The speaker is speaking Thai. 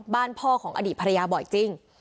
บ้านพ่อของอดีตภรรยาบ่อยจริง